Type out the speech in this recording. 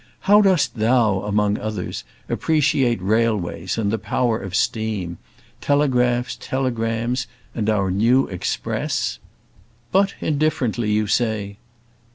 How dost thou, among others, appreciate railways and the power of steam, telegraphs, telegrams, and our new expresses? But indifferently, you say.